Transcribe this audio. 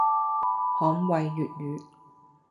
捍衛粵語